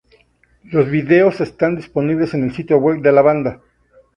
Los videos están disponibles en el sitio web de la banda.